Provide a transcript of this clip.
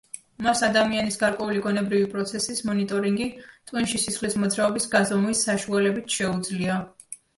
მას ადამიანის გარკვეული გონებრივი პროცესის მონიტორინგი ტვინში სისხლის მოძრაობის გაზომვის საშუალებით შეუძლია.